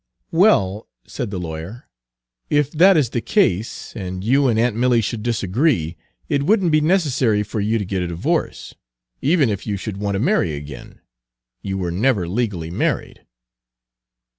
"Well," said the lawyer, "if that is the case, and you and aunt Milly should disagree, it wouldn't be necessary for you to get a divorce, Page 219 even if you should want to marry again. You were never legally married."